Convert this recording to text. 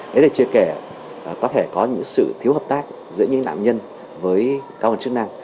đấy là chưa kể có thể có những sự thiếu hợp tác giữa những nạn nhân với cơ quan chức năng